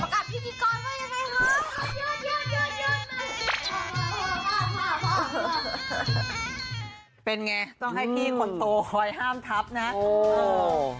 แพลค่ะก้าวเป็นยังไงเป็นไงต้องให้ขวัดโถไปห้ามทับนะครับ